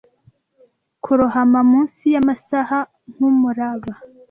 Kurohama munsi yamasaha nkumuraba